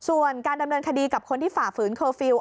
ส่วนการดำเนินคดีกับคนที่ฝ่าฝืนเคอร์ฟิลล์